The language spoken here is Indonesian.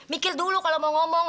mikir dulu kalau mau ngomong